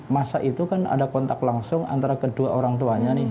masa itu kan ada kontak langsung antara kedua orang tuanya nih